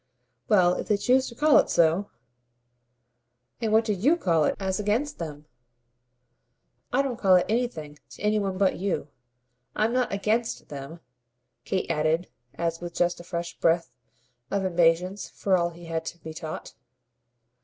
"Well, if they choose to call it so !" "And what do YOU call it as against them?" "I don't call it anything to any one but you. I'm not 'against' them!" Kate added as with just a fresh breath of impatience for all he had to be taught.